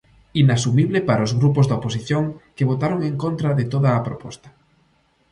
Inasumible para os grupos da oposición, que votaron en contra de toda a proposta.